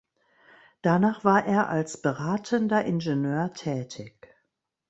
Danach war er als beratender Ingenieur tätig.